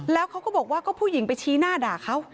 แล้วเขาก็บอกว่าก็ผู้หญิงไปชี้หน้าด่าเขา